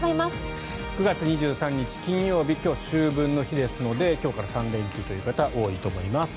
９月２３日、金曜日今日は秋分の日ですので今日から３連休という方多いと思います。